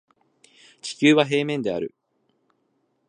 地球は平面である